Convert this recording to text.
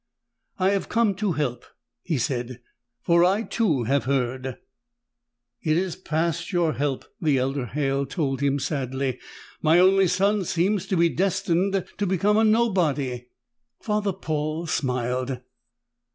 "I have come to help," he said, "for I, too, have heard." "It is past your help," the elder Halle told him sadly. "My only son seems destined to become a nobody." Father Paul smiled.